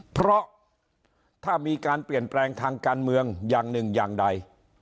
เพราะถ้ามีการเปลี่ยนแปลงทางการเมืองอย่างหนึ่งอย่างใด